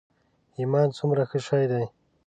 ایمان څومره ښه شی دی.